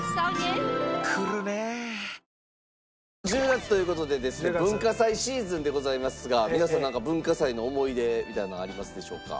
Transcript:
１０月という事でですね文化祭シーズンでございますが皆さんなんか文化祭の思い出みたいなのありますでしょうか？